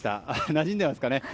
なじんでますかね？